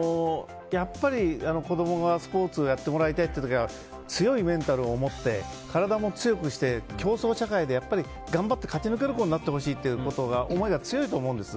子供にスポーツをやってもらいたいと強いメンタルを持って体も強くして競争社会で頑張って勝ち抜ける子になってほしいという思いが強いと思うんです。